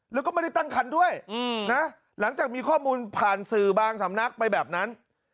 แล้วก็ไม่ได้ตั้งคันด้วยนะหลังจากมีข้อมูลผ่านสื่อบางสำนักไปแบบนั้น